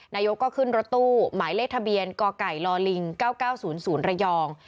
นายกก็ขึ้นรถตู้หมายเลขทะเบียนกไก่ลิง๙๙๐๐ระยอง